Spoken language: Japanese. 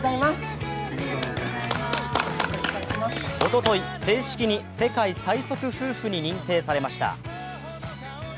おととい正式に世界最速夫婦に認定されました。